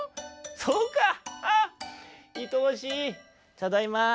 「ただいま」。